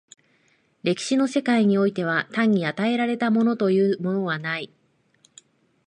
歴史の世界においては単に与えられたものというものはない。